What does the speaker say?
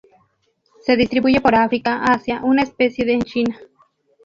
Se distribuye por África, Asia: una especie en China.